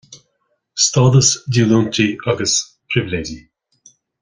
Stádas, Díolúintí agus Pribhléidí.